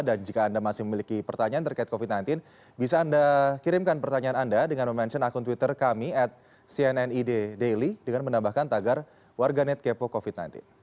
dan jika anda masih memiliki pertanyaan terkait covid sembilan belas bisa anda kirimkan pertanyaan anda dengan mention akun twitter kami at cnnid daily dengan menambahkan tagar warganetkepo covid sembilan belas